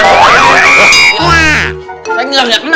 saya ngeliat enggak